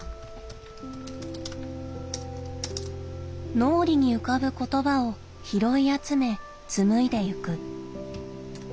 脳裏に浮かぶ言葉を拾い集め紡いでいく。